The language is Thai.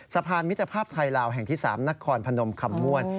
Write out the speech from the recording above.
สะพานมิตรภาพไทยลาวแห่งที่๓นครพนมคำม่วน